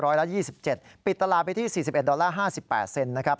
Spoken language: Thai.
ละ๒๗ปิดตลาดไปที่๔๑ดอลลาร์๕๘เซนนะครับ